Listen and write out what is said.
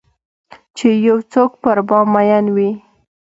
چې یو څوک پر مامین وي